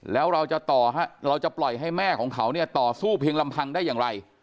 แล้วเราจะต่อเราจะปล่อยให้แม่ของเขาเนี่ยต่อสู้เพียงลำพังได้อย่างไร